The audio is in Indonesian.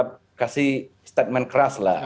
kita kasih statement keras lah